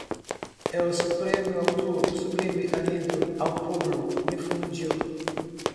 el supremo Autor, un sublime aliento al pueblo infundió.